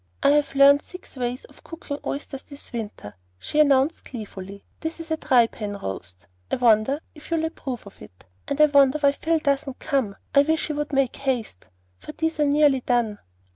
"I have learned six ways of cooking oysters this winter," she announced gleefully. "This is a dry pan roast. I wonder if you'll approve of it. And I wonder why Phil doesn't come. I wish he would make haste, for these are nearly done."